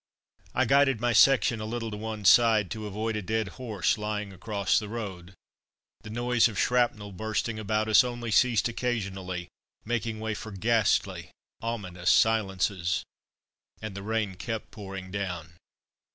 I guided my section a little to one side to avoid a dead horse lying across the road. The noise of shrapnel bursting about us only ceased occasionally, making way for ghastly, ominous silences. And the rain kept pouring down.